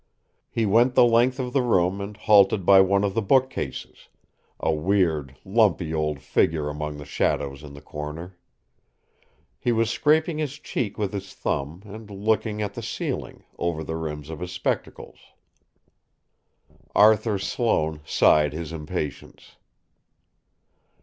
He went the length of the room and halted by one of the bookcases, a weird, lumpy old figure among the shadows in the corner. He was scraping his cheek with his thumb, and looking at the ceiling, over the rims of his spectacles. Arthur Sloane sighed his impatience.